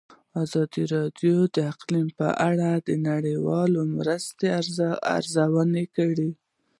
ازادي راډیو د اقلیم په اړه د نړیوالو مرستو ارزونه کړې.